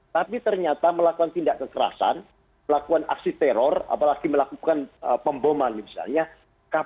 tapi ternyata melakukan tindak kekerasan melakukan aksi teror apalagi melakukan pemboman misalnya